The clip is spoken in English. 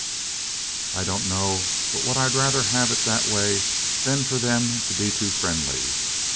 "I don't know but what I'd rather have it that way than for them to be too friendly.